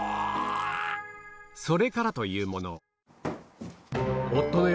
それからというもの